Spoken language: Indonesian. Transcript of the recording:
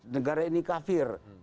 negara ini kafir